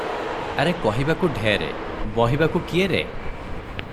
ଆରେ କହିବାକୁ ଢେର, ବହିବାକୁ କିଏ ରେ?